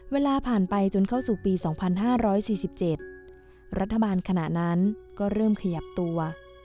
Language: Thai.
เวลาผ่านไปจนเข้าสู่ปี๒๕๔๗รัฐบาลขณะนั้นก็เริ่มขยับตัว